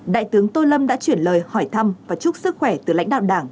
đại tướng tô lâm đã chuyển lời hỏi thăm và chúc sức khỏe từ lãnh đạo đảng